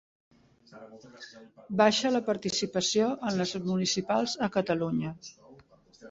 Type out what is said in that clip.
Baixa la participació en les municipals a Catalunya